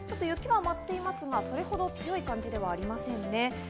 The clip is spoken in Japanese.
雪が舞っていますが、それほど強い感じではありませんね。